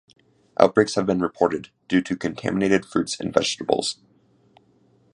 Outbreaks have been reported due to contaminated fruits and vegetables.